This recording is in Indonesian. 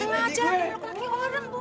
leluk leluknya orang bu